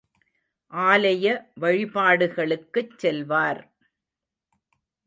ஆலய வழிபாடுகளுக்குச் செல்வார்.